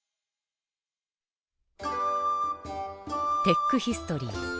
テックヒストリー。